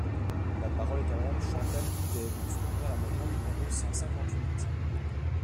La parole est à Madame Chantal Guittet, pour soutenir l’amendement numéro cent cinquante-huit.